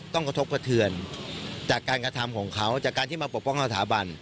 กระทบกระเทือนจากการกระทำของเขาจากการที่มาปกป้องสถาบัน